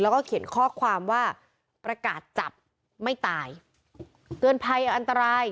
แล้วก็เขียนข้อความว่าประกาศจับไม่ตายเตือนภัยอันตราย